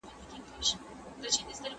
زه اوس نان خورم.